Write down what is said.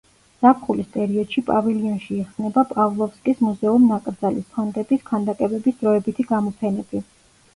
ზაფხულის პერიოდში პავილიონში იხსნება პავლოვსკის მუზეუმ-ნაკრძალის ფონდების ქანდაკებების დროებითი გამოფენები.